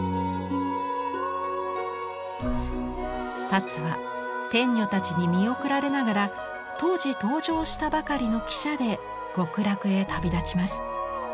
田鶴は天女たちに見送られながら当時登場したばかりの汽車で極楽へ旅立ちます。